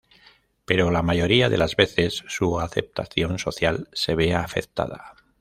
Pero la mayoría de las veces su aceptación social se ve afectada.